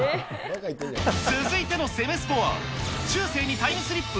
続いてのセメスポは、中世にタイムスリップ？